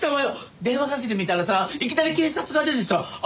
電話かけてみたらさいきなり警察が出てさ頭